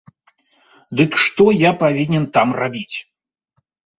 Дык што я павінен там рабіць?